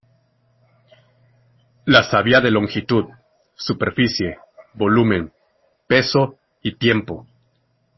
Las había de longitud, superficie, volumen, peso y tiempo.